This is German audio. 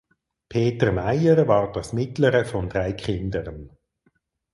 Peter Mayer war das mittlere von drei Kindern.